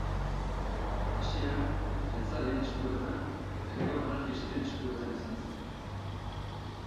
Hasieran jeltzaleen eskuetan eta gero anarkisten eskuetan izan zen.